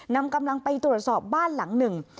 นำกำลังไปตรวจสอบบ้านหลังหนึ่ง